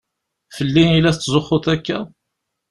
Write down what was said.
Fell-i i la tetzuxxuḍ akka?